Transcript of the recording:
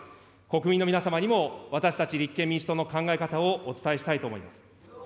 国民の皆様にも私たち立憲民主党の考え方をお伝えしたいと思います。